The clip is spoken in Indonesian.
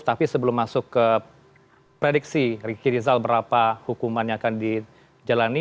tapi sebelum masuk ke prediksi riki rizal berapa hukuman yang akan dijalani